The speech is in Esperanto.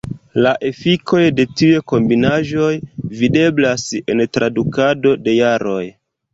La efikoj de tiuj kombinaĵoj videblas en traktado de jaroj.